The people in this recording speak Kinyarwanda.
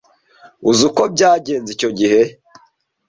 uzi uko byagenze icyo gihe